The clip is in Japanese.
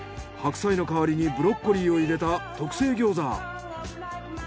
白菜の代わりにブロッコリーを入れた特製餃子。